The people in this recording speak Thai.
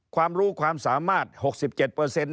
ความรู้ความสามารถ๖๗เนี่ย